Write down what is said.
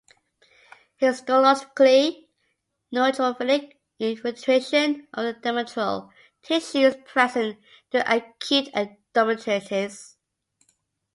Histologically, neutrophilic infiltration of the endometrial tissue is present during acute endometritis.